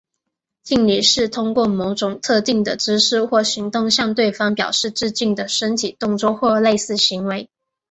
敬礼是通过某种特定的姿势或行动向对方表示致敬的身体动作或类似行为。